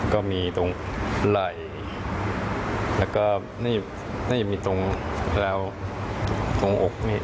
ก็มีตรงไหล่แล้วก็นี่มีตรงออก